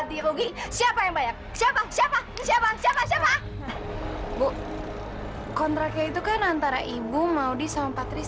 tristan kamu apa apaan sih